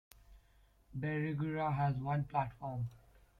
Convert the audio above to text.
Birregurra has one platform.